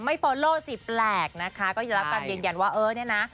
ไม่ฟอโล่สิแปลกนะคะก็จะรับคำเย็นว่าเออเนี่ยนะ